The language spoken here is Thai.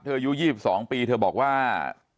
เธอยู่๒๒ปีเธอบอกว่า